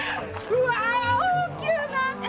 うわ大きゅうなって！